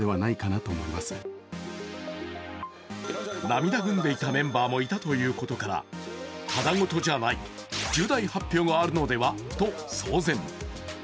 涙ぐんでいたメンバーもいたということから、ただごとじゃない、重大発表があるのではと騒然。